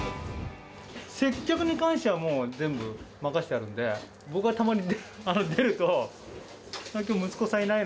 接客に関してはもう、全部任せてあるんで、僕がたまに出ると、きょうは、息子さんいないの？